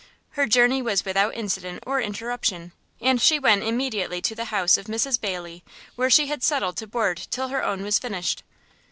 Her journey was without incident or interruption, and she went immediately to the house of Mrs Bayley, where she had settled to board till her own was finished.